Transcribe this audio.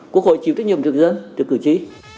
quốc hội chịu tất nhiệm trước dân trước cử tri